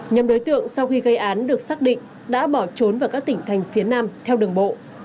nhóm đối tượng sau khi gây án được xác định đã bỏ trốn vào các tỉnh thành phía nam theo đường bộ